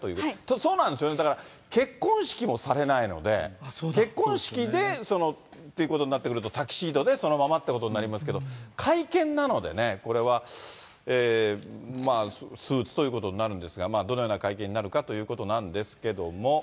そうなんですよね、だから、結婚式もされないので、結婚式でということになってくると、タキシードでそのままってことになりますけど、会見なのでね、これはまあ、スーツということになるんですが、どのような会見になるかということなんですけども。